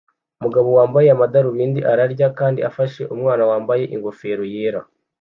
Umugabo wambaye amadarubindi ararya kandi afashe umwana wambaye ingofero yera